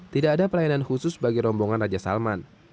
tidak ada pelayanan khusus bagi rombongan raja salman